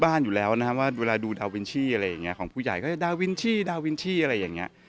มายุเขาจะติดเมย์ครับ